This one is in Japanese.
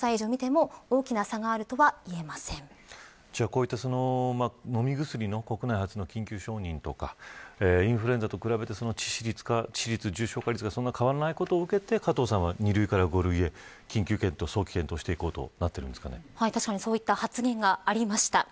こういった飲み薬の国内初の緊急承認とかインフルエンザと比べて致死率重症化率が変わらないことを受けて加藤さんは、２類から５類へそういった発言がありました。